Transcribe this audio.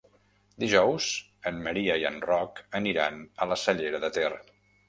Dijous en Maria i en Roc aniran a la Cellera de Ter.